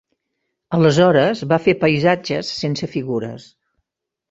Aleshores va fer paisatges sense figures